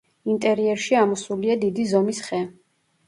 ინტერიერში ამოსულია დიდი ზომის ხე.